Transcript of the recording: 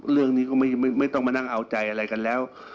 เรื่องนี้ก็ไม่ต้องมานั่งเอาใจอะไรกันแล้ว